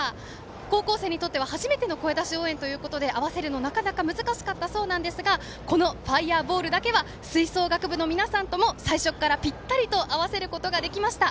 高校生にとっては初めての声出し応援ということで合わせるのはなかなか難しかったそうですが「ＦｉｒｅＢａｌｌ」だけは吹奏楽部の皆さんとも最初からぴったりと合わせることが出来ました。